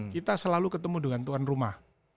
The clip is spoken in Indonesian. kita selalu ketemu dengan tuan rumah